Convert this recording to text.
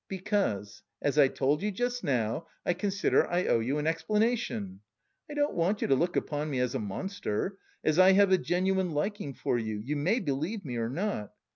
"Because, as I told you just now, I consider I owe you an explanation. I don't want you to look upon me as a monster, as I have a genuine liking for you, you may believe me or not.